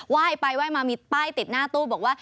ยไปไหว้มามีป้ายติดหน้าตู้บอกว่า